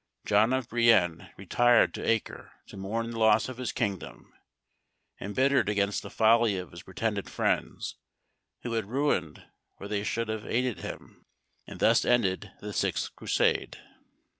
John of Brienne retired to Acre, to mourn the loss of his kingdom, embittered against the folly of his pretended friends, who had ruined where they should have aided him. And thus ended the sixth Crusade.